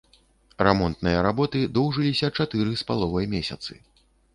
Рамонтныя работы доўжыліся чатыры з паловай месяцы.